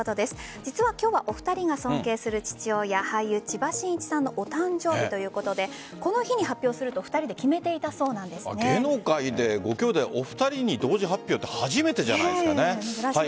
実は今日はお二人が尊敬する父親俳優・千葉真一さんのお誕生日ということでこの日に発表すると芸能界で兄弟でお二人で同時発表って初めてじゃないですかね。